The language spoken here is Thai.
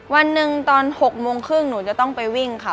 วันหนึ่งตอน๖โมงครึ่งหนูจะต้องไปวิ่งค่ะ